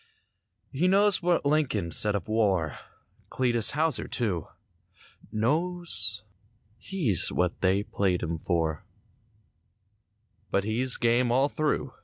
He knows what Lincoln said of war— Cletus Houser, too. Knows he's what they played him for— But he's game all through.